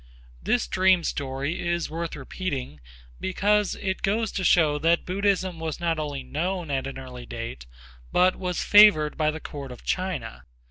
This dream story is worth repeating because it goes to show that Buddhism was not only known at an early date, but was favored at the court of China.